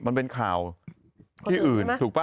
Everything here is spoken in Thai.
มันเป็นข่าวที่อื่นถูกป่ะ